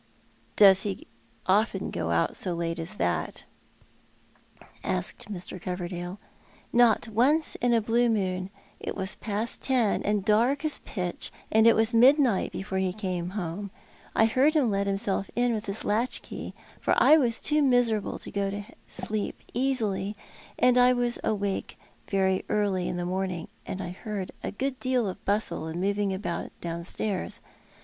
" Does ho often go out so late as that ?" asked Mr. Coverdale. " Not once in a blue moon. It was past ten, and dark as pitch ; and it was midnight before he came home. I heard him let himself in with his latchkey, for I was too miserable to go to sleep easily; and I was awake very early in the mrirning, and I heard a good deal of bustle and moving about downstairs.